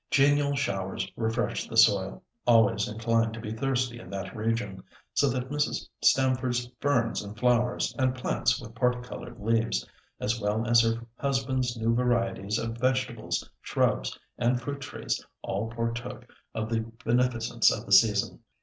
Genial showers refreshed the soil—always inclined to be thirsty in that region—so that Mrs. Stamford's ferns and flowers, and plants with parti coloured leaves, as well as her husband's new varieties of vegetables, shrubs, and fruit trees, all partook of the beneficence of the season.